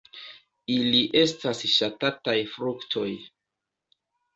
Ili estas ŝatataj fruktoj.